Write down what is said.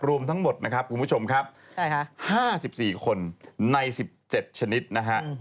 รวมทั้งหมดนะครับคุณผู้ชมครับ๕๔คนใน๑๗ชนิดนะฮะ